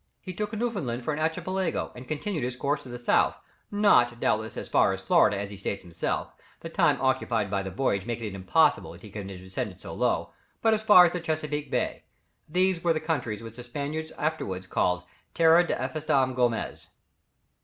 He took Newfoundland for an archipelago, and continued his course to the south, not doubtless, as far as Florida as he states himself, the time occupied by the voyage making it impossible that he can have descended so low, but as far as Chesapeake Bay. These were the countries which the Spaniards afterwards called "Terra de Estevam Gomez."